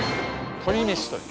鶏めしという。